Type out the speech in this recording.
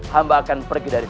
hamba akan pergi dari